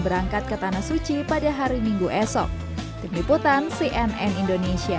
berangkat ke tanah suci pada hari minggu esok tim liputan cnn indonesia